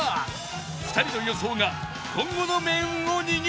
２人の予想が今後の命運を握る事に